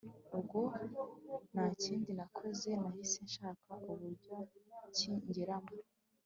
ubwo nakindi nakoze nahise nshaka uburyo ki ngeramo